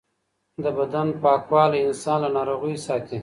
د بدن پاکوالی انسان له ناروغیو ساتي.